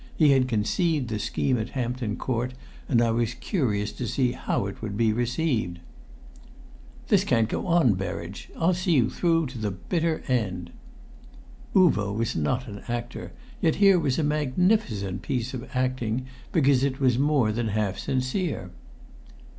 He had conceived the scheme at Hampton Court, and I was curious to see how it would be received. "This can't go on, Berridge! I'll see you through to the bitter end!" Uvo was not an actor, yet here was a magnificent piece of acting, because it was more than half sincere.